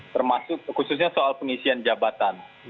termasuk khususnya soal pengisian jabatan